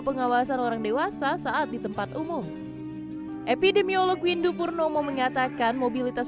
pengawasan orang dewasa saat di tempat umum epidemiolog windu purnomo mengatakan mobilitas